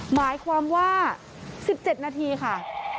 หมายความว่า๑๗นาทีค่ะ